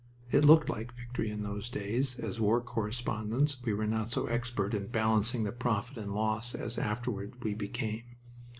It looked like victory, in those days, as war correspondents, we were not so expert in balancing the profit and loss as afterward we became.